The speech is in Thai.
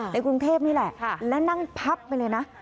ในกรุงเทพนี่แหละและนั่งพับไปเลยนะ